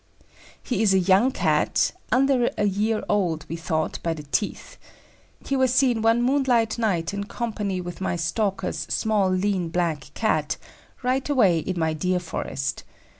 "He is a young Cat (under a year old, we thought, by the teeth). He was seen one moonlight night in company with my 'stalker's' small lean black Cat, right away in my deer forest.